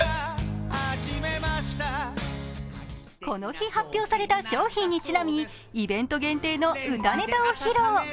この日発表された商品にちなみイベント限定の歌ネタを披露。